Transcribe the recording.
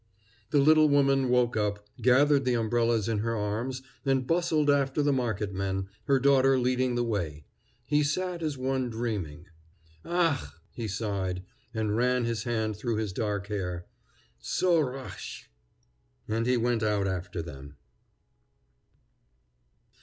The little woman woke up, gathered the umbrellas in her arms, and bustled after the marketmen, her daughter leading the way. He sat as one dreaming. "Ach!" he sighed, and ran his hand through his dark hair, "so rasch!" And he went out after them.